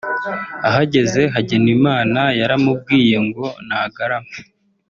Ahageze Hagenimana yaramubwiye ngo nagarame